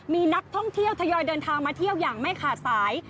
มีนักท่องเที่ยวทยอยเดินทางมาเที่ยวอย่างไม่ขาดสาย